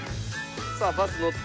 さあバス乗って。